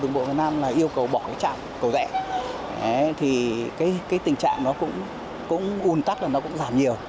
đường bộ việt nam yêu cầu bỏ trạm cầu rẽ thì tình trạng nó cũng ủn tắc nó cũng giảm nhiều